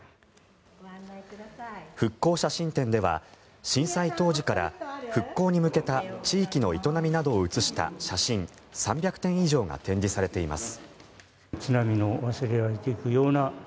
復興写真展では震災当時から復興に向けた地域の営みなどを写した写真３００点以上が展示されています。